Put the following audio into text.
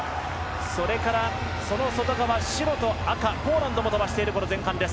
それからその外側、白と赤ポーランドも飛ばしている前半です。